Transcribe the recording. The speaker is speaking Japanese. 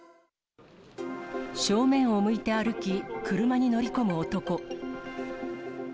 正面を向いて歩き、車に乗り込む男。